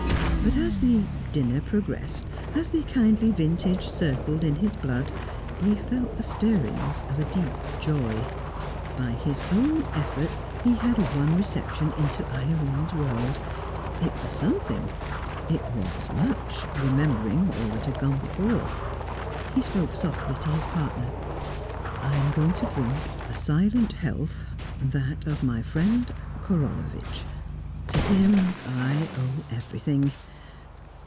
But as the dinner progressed, as the kindly vintage circled in his blood, he felt the stirrings of a deep joy. By his own effort he had won reception into Irene's world. It was something; it was much remembering all that had gone before. He spoke softly to his partner. "I am going to drink a silent health that of my friend Korolevitch. To him I owe everything."